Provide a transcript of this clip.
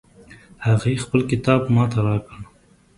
هغې خپل کتاب ما ته راکړ